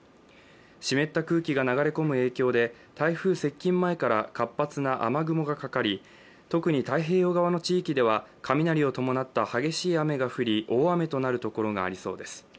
湿った空気が流れ込む影響で台風接近前から活発な雨雲がかかり特に太平洋側の地域では雷を伴った激しい雨が降り大雨となるところがありそうです。